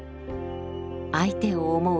相手を思う